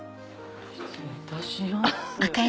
失礼いたします。